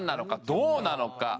どうなのか？